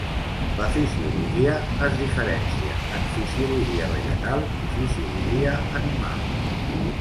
La fisiologia es diferencia en fisiologia vegetal i fisiologia animal.